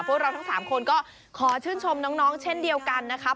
พวกเราทั้ง๓คนก็ขอชื่นชมน้องเช่นเดียวกันนะครับ